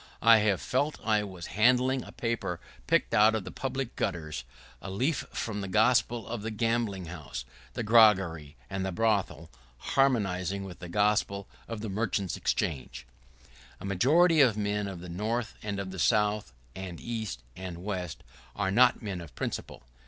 I have felt that I was handling a paper picked out of the public gutters, a leaf from the gospel of the gambling house, the groggery, and the brothel, harmonizing with the gospel of the Merchants' Exchange. [¶30] The majority of the men of the North, and of the South and East and West, are not men of principle.